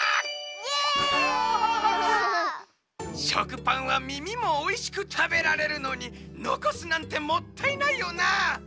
しょくぱんはみみもおいしくたべられるのにのこすなんてもったいないよな。